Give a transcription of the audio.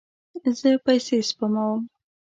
زه پیسې سپموم